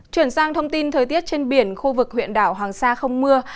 chuyển sang thông tin thời tiết trên biển khu vực huyện đảo hoàng sa không mưa